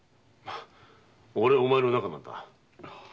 “俺・お前”の仲なんだ。